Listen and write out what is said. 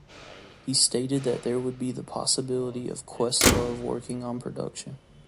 He stated that there would be the possibility of Questlove working on production.